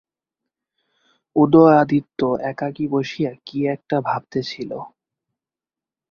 উদয়াদিত্য একাকী বসিয়া কী একটা ভাবিতেছিল।